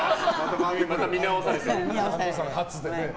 また見直されてね。